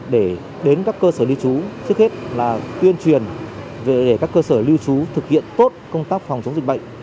để đến các cơ sở lưu trú trước hết là tuyên truyền về các cơ sở lưu trú thực hiện tốt công tác phòng chống dịch bệnh